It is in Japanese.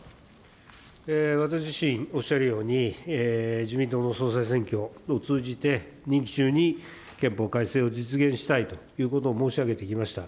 私自身、おっしゃるように、自民党の総裁選挙を通じて、任期中に憲法改正を実現したいということを申し上げてきました。